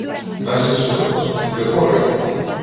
Gràcies a tots, i que corri!